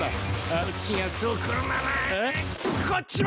そっちがそうくるならこっちも！